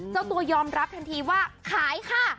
เจ้าตัวยอมรับทันทีว่าขายค่ะ